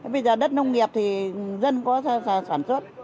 bây giờ đất nông nghiệp thì dân có sản xuất